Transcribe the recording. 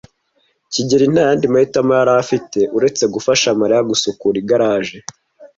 kigeli nta yandi mahitamo yari afite uretse gufasha Mariya gusukura igaraje.